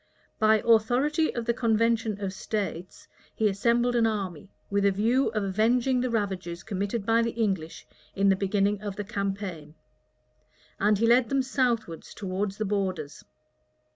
By authority of the convention of states, he assembled an army, with a view of avenging the ravages committed by the English in the beginning of the campaign; and he led them southwards towards the borders.